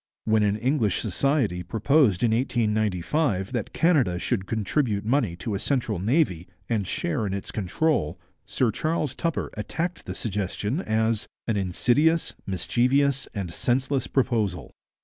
When an English society proposed in 1895 that Canada should contribute money to a central navy and share in its control, Sir Charles Tupper attacked the suggestion as 'an insidious, mischievous, and senseless proposal.'